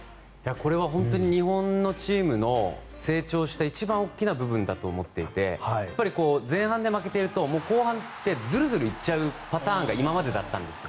これは本当に日本のチームの成長した一番大きな部分だと思っていて前半で負けていると、後半ってずるずる行っちゃうパターンが今までだったんですよ。